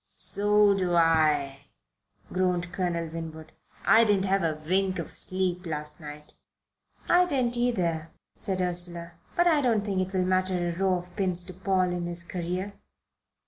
"So do I," groaned Colonel Winwood. "I didn't have a wink of sleep last night." "I didn't either," said Ursula, "but I don't think it will matter a row of pins to Paul in his career."